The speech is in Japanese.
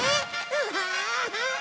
うわ！